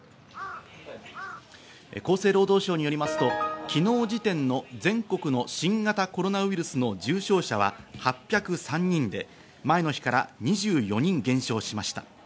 厚生労働省によりますと昨日時点の全国の新型コロナウイルスの重症者は８０３人で、前の日から２４人減少しました。